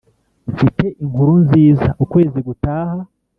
mfite inkuru nziza. ukwezi gutaha,